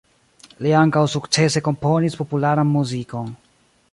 Li ankaŭ sukcese komponis popularan muzikon.